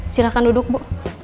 silakan duduk bu